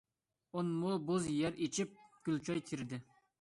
ئون مو بوز يەر ئېچىپ، گۈلچاي تېرىدى.